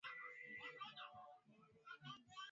utuambie nini kifanyike kwa wanajeshi wa congo